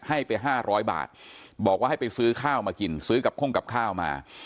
ให้ไป๕๐๐บาทบอกว่าให้ไปซื้อข้าวมากินซื้อกับโค้งกับข้าวมา